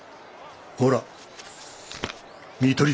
ほら見取り図だ。